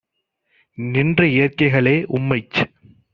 நின்ற இயற்கைகளே! - உம்மைச்